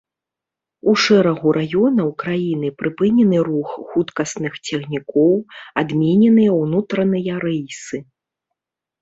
У шэрагу раёнаў краіны прыпынены рух хуткасных цягнікоў, адмененыя ўнутраныя рэйсы.